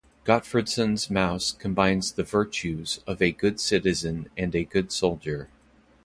Gottfredson's mouse combines the virtues of a good citizen and a good soldier.